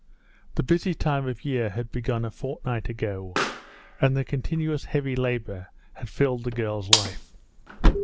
The busy time of year had begun a fortnight ago and the continuous heavy labour had filled the girl's life.